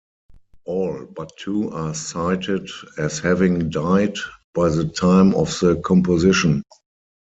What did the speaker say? All but two are cited as having died by the time of the composition.